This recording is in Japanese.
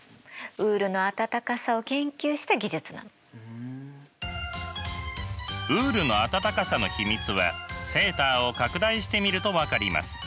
ウールの暖かさの秘密はセーターを拡大してみると分かります。